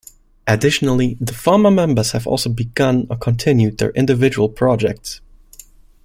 Additionally, the former members have also begun or continued their individual projects.